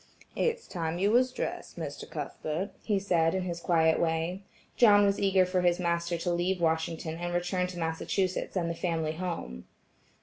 "It's time you was dressed, Mr. Cuthbert," he said in his quiet way. John was eager for his master to leave Washington and return to Massachusetts and the family home.